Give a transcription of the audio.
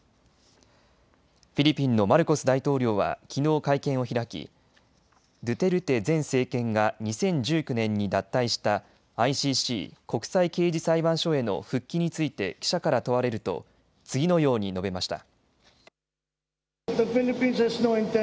フィリピンのマルコス大統領はきのう会見を開きドゥテルテ前政権が２０１９年に脱退したＩＣＣ・国際刑事裁判所への復帰について記者から問われると次のように述べました。